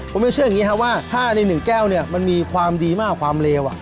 ผมยังเชื่ออย่างนี้ครับว่าถ้าในหนึ่งแก้วเนี่ยมันมีความดีมากความเลว